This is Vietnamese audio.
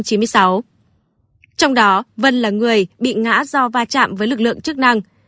trong đó vân là người bị ngã do va chạm với lực lượng chức năng